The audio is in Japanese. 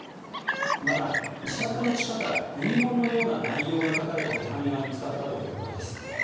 また、自宅の地下から遺言のような内容が書かれた手紙が見つかったということです。